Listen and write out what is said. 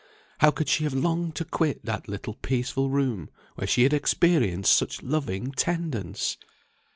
How could she have longed to quit that little peaceful room where she had experienced such loving tendence!